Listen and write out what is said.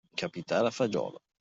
Capitare a fagiolo.